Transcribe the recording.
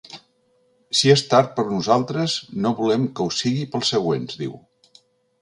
Si és tard per nosaltres, no volem que ho sigui pels següents, diu.